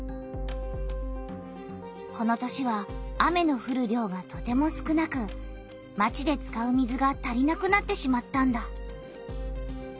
この年は雨のふる量がとても少なくまちで使う水が足りなくなってしまったんだ。